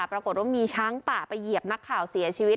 ปรากฏว่ามีช้างป่าไปเหยียบนักข่าวเสียชีวิต